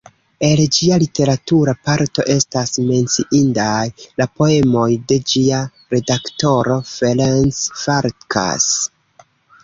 El ĝia literatura parto estas menciindaj la poemoj de ĝia redaktoro, Ferenc Farkas.